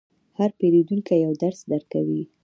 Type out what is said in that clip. هر پیرودونکی یو درس درکوي.